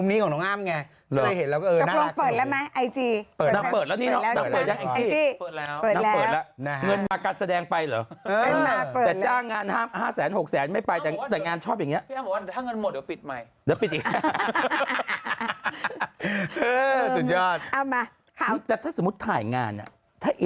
กินมาแกสแดงป่ายแล้วห้าม๕๐๐๖๐๐ไม่ไปแต่งานชอบอย่างนี้